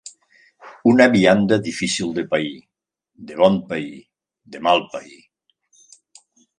Una vianda difícil de pair, de bon pair, de mal pair.